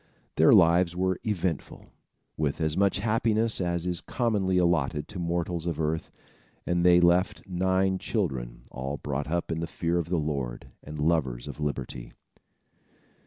Their lives were eventful, with as much happiness as is commonly allotted to mortals of earth, and they left nine children, all brought up in the fear of the Lord, and lovers of liberty.